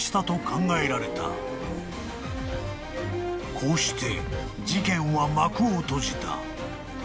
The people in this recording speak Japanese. ［こうして事件は幕を閉じた］